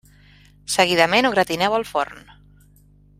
Seguidament ho gratineu al forn.